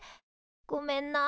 ごめんな。